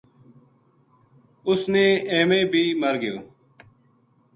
اس نے ایویں بے مر گیو